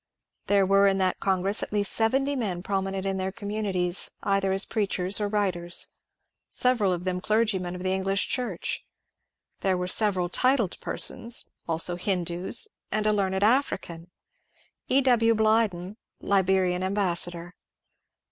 There were in that con gress at least seventy men prominent in their communities either as preachers or writers, several of them clergymen of the English Church ; there were several titled persons, also Hindus, and a learned African, — E. W. Blyden, Liberian ambassador.